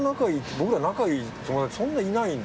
僕ら仲いい友達そんないないんで。